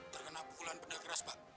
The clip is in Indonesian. terkena pukulan benda keras pak